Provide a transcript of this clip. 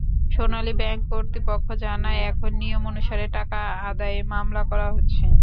সোনালী Bank কর্তৃপক্ষ জানায়, এখন নিয়ম অনুসারে টাকা আদায়ে মামলা করা হচ্ছে।